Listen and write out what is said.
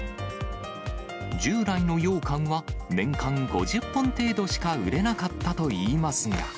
従来のようかんは、年間５０本程度しか売れなかったといいますが。